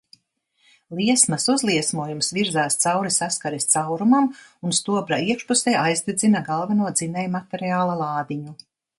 Liesmas uzliesmojums virzās cauri saskares caurumam un stobra iekšpusē aizdedzina galveno dzinējmateriāla lādiņu.